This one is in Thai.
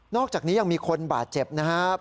อกจากนี้ยังมีคนบาดเจ็บนะครับ